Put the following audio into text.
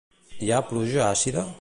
Hi ha pluja àcida?